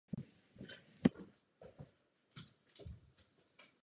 Je dvoudomý.